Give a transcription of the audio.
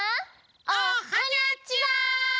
おはにゃちは！